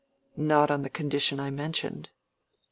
"Not on the condition I mentioned."